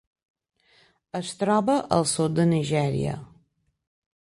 Es troba al sud de Nigèria.